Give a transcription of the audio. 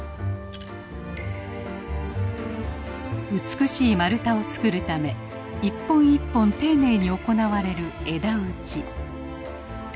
美しい丸太を作るため一本一本丁寧に行われる枝打ち。